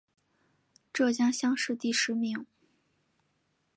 浙江乡试第十名。